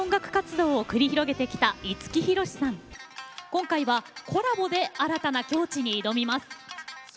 今回はコラボで新たな境地に挑みます。